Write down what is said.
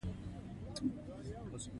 د اوبو رسولو سیستم باید ښه مدیریت شي.